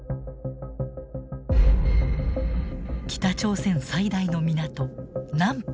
北朝鮮最大の港南浦。